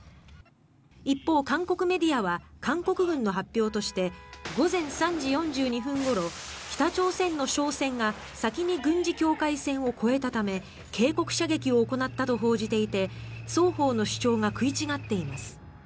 一方、韓国メディアは韓国軍の発表として午前３時４２分ごろ北朝鮮の商船が先に軍事境界線を越えたため警告射撃を行ったと報じていて双方の主張が食い違っています。